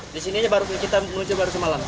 di sini kita menunjuk baru semalam